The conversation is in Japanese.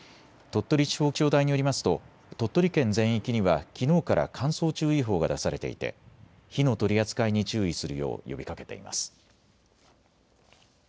鳥取地方気象台によりますと鳥取県全域にはきのうから乾燥注意報が出されていて火の取り扱いに注意するよう呼びかけています。